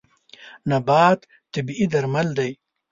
نبات طبیعي درمل دی.